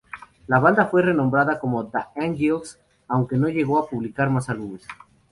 La banda fue renombrada como "Tha Angels", aunque no llegó a publicar más álbumes.